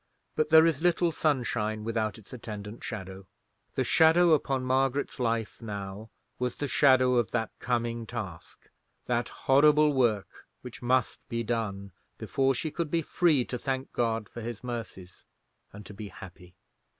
But there is little sunshine without its attendant shadow. The shadow upon Margaret's life now was the shadow of that coming task—that horrible work which must be done—before she could be free to thank God for His mercies, and to be happy.